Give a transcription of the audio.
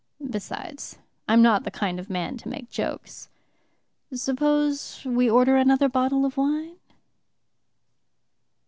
Besides, I'm not the kind of man to make jokes. Suppose we order another bottle of wine?..."